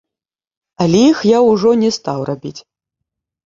Але іх я ўжо не стаў рабіць.